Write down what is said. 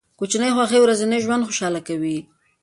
کوچني خوښۍ ورځنی ژوند خوشحاله کوي.